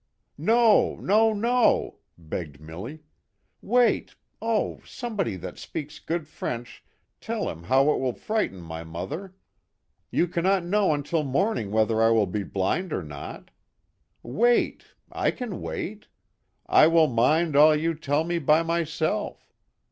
" No, no, no !" begged Milly. " Wait ! Oh ! somebody that speaks good French tell him how it will frighten my mother. You cannot H4 know until morning whether I will be blind or not. Wait ! I can wait. I will mind all you tell me by myself.